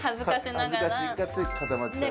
恥ずかしがって固まっちゃう。